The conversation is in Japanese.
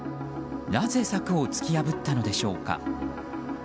なぜ柵を突き破ったのでしょうか。